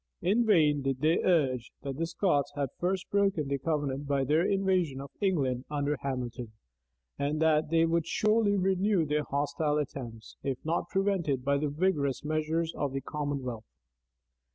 In vain did they urge, that the Scots had first broken the covenant by their invasion of England under Hamilton; and that they would surely renew their hostile attempts, if not prevented by the vigorous measures of the commonwealth.